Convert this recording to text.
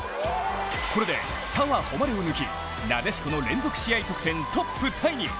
これで、澤穂希を抜き、なでしこの連続試合得点トップタイに。